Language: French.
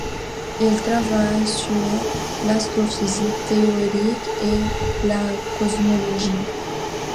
Il travaille sur l'astrophysique théorique et la cosmologie.